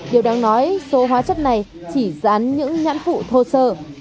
điều đáng nói số hóa chất này chỉ dán những nhãn phụ thô sơ